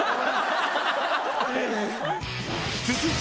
［続いて］